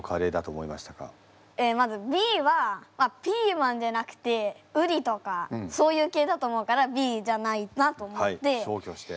まずＢはピーマンじゃなくてうりとかそういう系だと思うからＢじゃないなと思って。